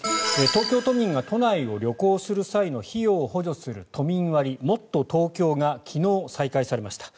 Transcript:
東京都民が都内を旅行する費用を補助する都民割、もっとＴｏｋｙｏが昨日、再開されました。